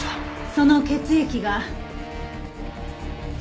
その血液が。